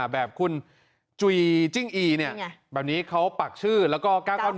แบบคุณจุยจิ้งอีแบบนี้เขาปากชื่อแล้วก็๙๙๑